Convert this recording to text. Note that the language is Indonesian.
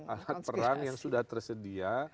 alat perang yang sudah tersedia